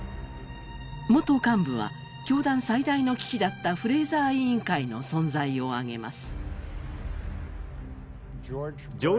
元幹部は、教団最大の危機だったフレーザー委員会の存在を挙げます。